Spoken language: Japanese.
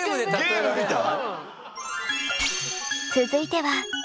ゲームみたい。